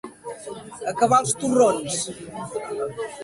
Acabar els torrons.